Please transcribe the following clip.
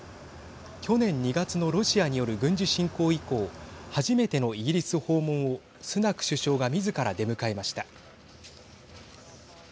去年２月のロシアによる軍事侵攻以降初めてのイギリス訪問をスナク首相がみずから出迎えました。